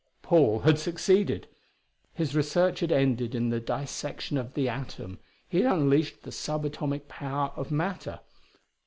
Paul had succeeded; his research had ended in the dissection of the atom; he had unleashed the sub atomic power of matter.